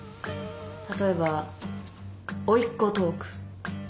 例えばおいっ子トーク。